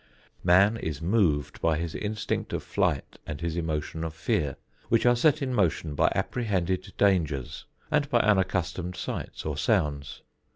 Man is moved by his instinct of flight and his emotion of fear, which are set in motion by apprehended dangers and by unaccustomed sights or sounds.